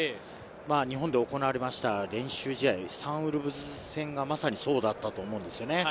日本で行われました練習試合、サンウルブズ戦がまさにそうだったと思うんですよね。